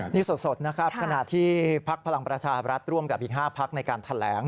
นี่สดนะครับขณะที่พักพลังประชาบรัฐร่วมกับอีก๕พักในการแถลง